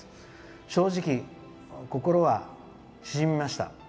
正直、心は縮みました。